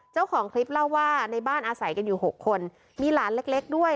เจ้าของคลิปเล่าว่าในบ้านอาศัยกันอยู่๖คนมีหลานเล็กด้วย